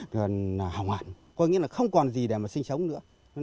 có nghĩa là không còn gì để mà sinh sống nữa